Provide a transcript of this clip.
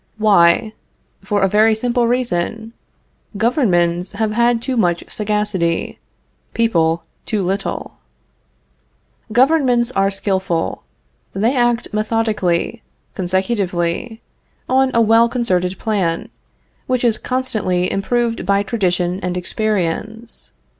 Why? For a very simple reason. Governments have had too much sagacity; people too little. Governments are skillful. They act methodically, consecutively, on a well concerted plan, which is constantly improved by tradition and experience.